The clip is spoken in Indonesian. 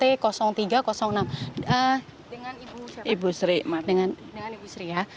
dengan ibu sri ya